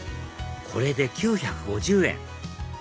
これで９５０円！